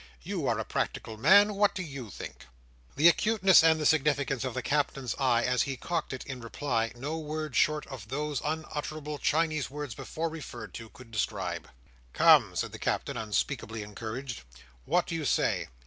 "You are a practical man; what do you think?" The acuteness and the significance of the Captain's eye as he cocked it in reply, no words short of those unutterable Chinese words before referred to could describe. "Come!" said the Captain, unspeakably encouraged, "what do you say?